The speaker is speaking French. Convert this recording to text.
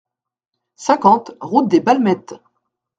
cinquante route des Balmettes